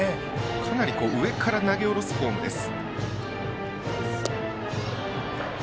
かなり上から投げ下ろすフォームです。